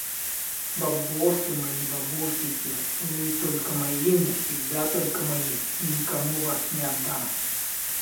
Бабосы мои, бабосики. Вы только мои, навсегда только мои. Никому вас не отдам.